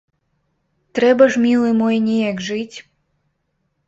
Трэба ж, мілы мой, неяк жыць!